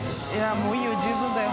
もういいよ十分だよ。